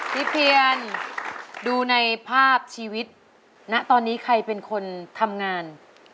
พี่เพียนดูในภาพชีวิตณตอนนี้ใครเป็นคนทำงาน